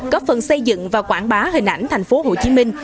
góp phần xây dựng và quảng bá hình ảnh thành phố hồ chí minh